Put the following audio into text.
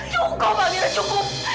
cukup amyra cukup